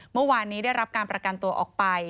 เมื่อวานนี้ได้รับการประกันตัวออกไป